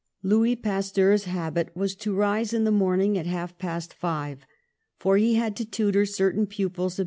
Louis Pasteur's habit was to rise in the morn ing at half past five, for he had to tutor certain pupils of M.